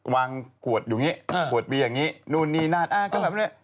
วางขวดอยู่นี้ขวดมีอย่างนี้นู้นนี่นานอ้า็ก็แบบนั้น